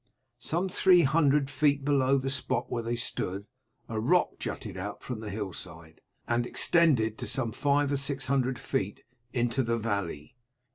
Some three hundred feet below the spot where they stood a rock jutted out from the hillside, and extended some five or six hundred feet into the valley.